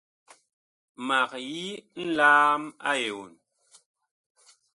Mag yi nlaam a eon.